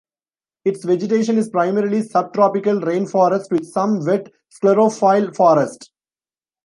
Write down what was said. Its vegetation is primarily sub-tropical rain forest with some wet sclerophyll forest.